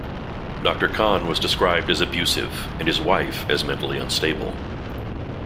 Doctor Conn was described as abusive and his wife as mentally unstable.